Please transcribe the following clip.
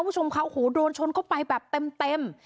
ผู้ชมเขาโหโดนชนเข้าไปแบบเต็ม